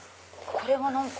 これは何か。